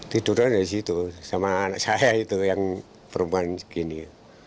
tidur aja di situ sama anak saya itu yang perumahan begini